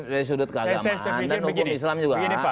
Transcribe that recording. saya setes saya pikir begini